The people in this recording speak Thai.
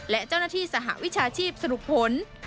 และเจ้าหน้าที่สหวิชาชีพสรุปผล